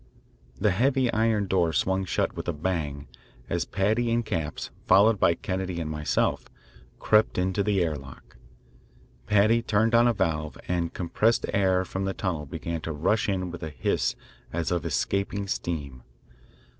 The heavy iron door swung shut with a bang as Paddy and Capps, followed by Kennedy and myself, crept into the air lock. Paddy turned on a valve, and compressed air from the tunnel began to rush in with a hiss as of escaping steam.